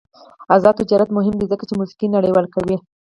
آزاد تجارت مهم دی ځکه چې موسیقي نړیواله کوي.